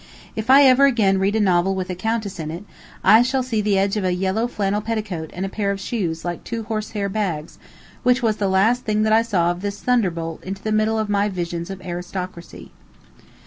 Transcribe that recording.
If ever again I read a novel with a countess in it, I shall see the edge of a yellow flannel petticoat and a pair of shoes like two horse hair bags, which was the last that I saw of this thunderbolt into the middle of my visions of aristocracy.